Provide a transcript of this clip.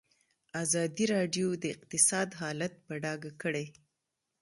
ازادي راډیو د اقتصاد حالت په ډاګه کړی.